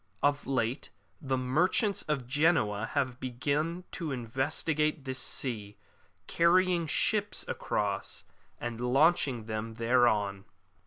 Of late the merchants of Genoa have begun to navigate this sea, carrying ships across and launching them thereon.